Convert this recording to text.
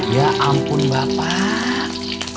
ya ampun bapak